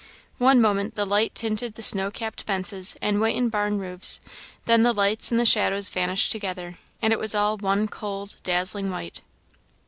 One moment the light tinted the snow capped fences and whitened barn roofs; then the lights and the shadows vanished together, and it was all one cold, dazzling white.